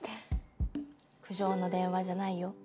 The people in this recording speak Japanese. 苦情の電話じゃないよ。